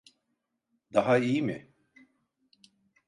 Daha iyi mi?